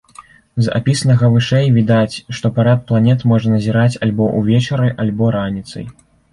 З апісанага вышэй відаць, што парад планет можна назіраць альбо ўвечары, альбо раніцай.